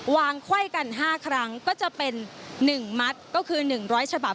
วางไข้กันห้าครั้งก็จะเป็นหนึ่งมัดก็คือหนึ่งร้อยฉบับ